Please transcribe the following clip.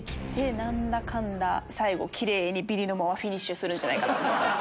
何だかんだ最後キレイにビリのままフィニッシュするんじゃないかな。